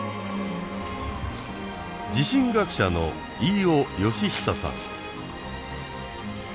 地震学者の飯尾能久さん。